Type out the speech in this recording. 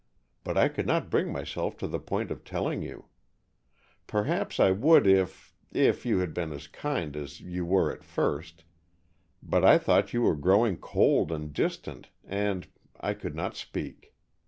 But I could not bring myself to the point of telling you. Perhaps I would if if you had been as kind as you were at first, but I thought you were growing cold and distant, and I could not speak.